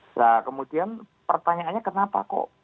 nah kemudian pertanyaannya kenapa kok